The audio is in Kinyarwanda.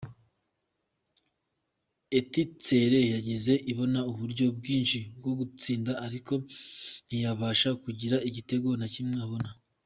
Etincelles yagiye ibona uburyo bwinshi bwo gutsinda iriko ntiyabasha kugira igitego na kimwe ibona.